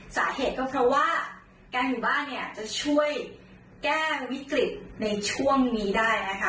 สาเหตุก็เพราะว่าการอยู่บ้านเนี่ยจะช่วยแก้วิกฤตในช่วงนี้ได้นะคะ